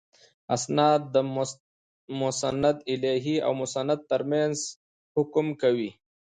اِسناد د مسندالیه او مسند تر منځ حکم کوي.